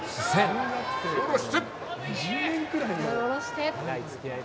手下ろして。